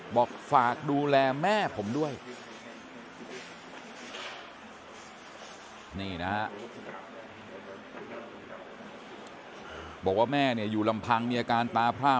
บอกฝากดูแลแม่ผมด้วยนี่นะครับบอกว่าแม่อยู่ลำพังมีอาการตาพร่า